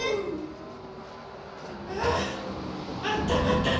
ああったまったね。